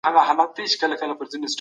د ښځو رول په ټولنه کې څه دی؟